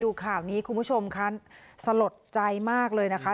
ดูข่าวนี้คุณผู้ชมคะสลดใจมากเลยนะคะ